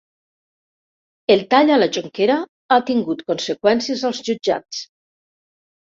El tall a la Jonquera ha tingut conseqüències als jutjats